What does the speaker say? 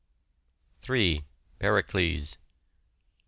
Pericles.